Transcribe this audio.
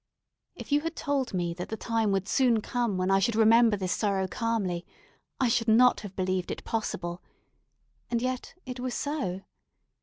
If you had told me that the time would soon come when I should remember this sorrow calmly, I should not have believed it possible: and yet it was so.